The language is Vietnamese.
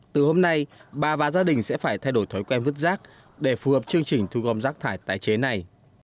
từ hôm nay bà và gia đình sẽ phải thay đổi thói quen vứt rác để phù hợp chương trình thu gom rác thải tái chế này